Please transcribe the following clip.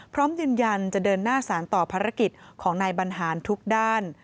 พร้อมยืนยันจะเดินหน้าสารต่อภารกิจของนายบรรหารทุกด้าน